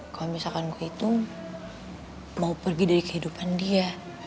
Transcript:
kalau misalkan gue itu mau pergi dari kehidupan dia